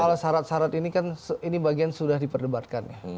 soal sarat sarat ini kan ini bagian sudah diperdebatkan